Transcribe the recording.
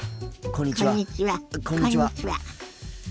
こんにちは。